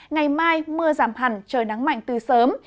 ngày mai mưa giảm hẳn trời nắng mạnh từ sớm